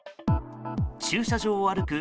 駐車場を歩く